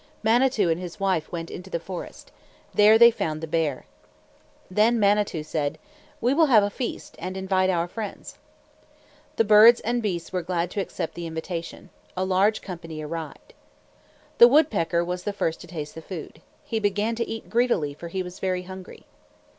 Manitou and his wife went into the forest together. There they found the bear. Then Manitou said, "We will have a feast and invite our friends." The birds and beasts were glad to accept the invitation. A large company arrived. The woodpecker was the first to taste the food. He began to eat greedily, for he was very hungry.